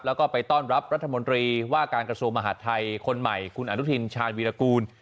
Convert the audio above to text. แล้วก็ไปต้อนรับรัฐมนตรีว่าการกระทรวงมหาดไทยคนใหม่คุณอนุทินชาญวีรกูล